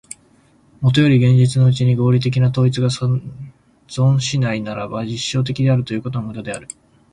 もとより現実のうちに合理的な統一が存しないならば、実証的であるということも無駄である。